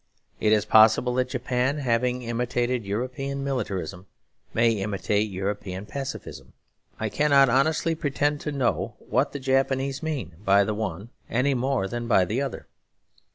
It is possible that Japan, having imitated European militarism, may imitate European pacifism. I cannot honestly pretend to know what the Japanese mean by the one any more than by the other.